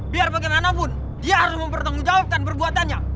biar bagaimanapun dia harus mempertanggungjawabkan perbuatannya